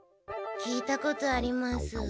聞いたことあります。